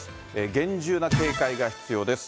厳重な警戒が必要です。